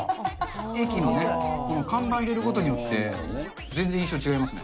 駅のね、看板入れることによって、全然印象違いますね。